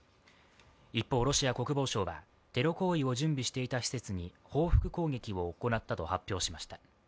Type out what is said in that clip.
一方、ロシア国防省はテロ行為を準備していた施設に報復攻撃を行ったと発表しました。